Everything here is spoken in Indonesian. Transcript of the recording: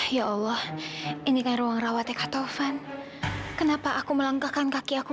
sampai jumpa di video selanjutnya